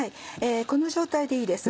この状態でいいです。